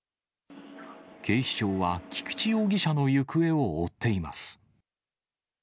警視庁は、菊池容疑者の行方を追っています。